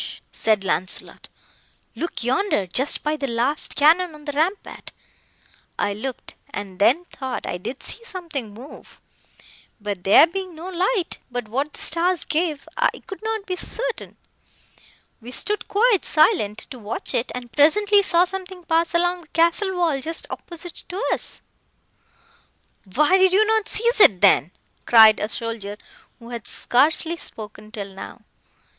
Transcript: said Launcelot,—look yonder—just by the last cannon on the rampart! I looked, and then thought I did see something move; but there being no light, but what the stars gave, I could not be certain. We stood quite silent, to watch it, and presently saw something pass along the castle wall just opposite to us!" "Why did you not seize it, then?" cried a soldier, who had scarcely spoken till now.